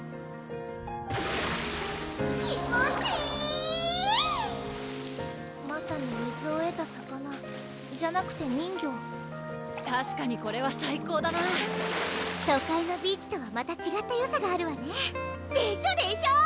気持ちいいまさに水をえた魚じゃなくて人魚たしかにこれは最高だな都会のビーチとはまたちがったよさがあるわねでしょでしょ？